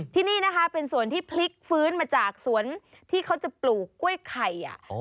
ที่นี่นะคะเป็นสวนที่พลิกฟื้นมาจากสวนที่เขาจะปลูกกล้วยไข่